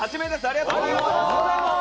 ありがとうございます！